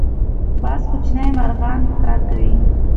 باز کوچني مرغان ښکار کوي